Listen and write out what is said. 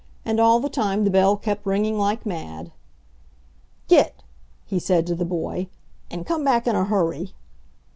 And all the time the bell kept ringing like mad. "Git!" he said to the boy. "And come back in a hurry."